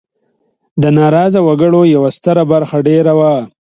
د ناراضه وګړو یوه ستره برخه دېره وه.